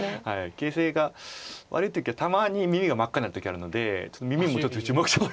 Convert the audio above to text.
形勢が悪い時はたまに耳が真っ赤になる時あるのでちょっと耳も注目してもらえると。